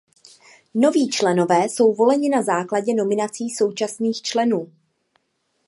Noví členové jsou voleni na základě nominací současných členů.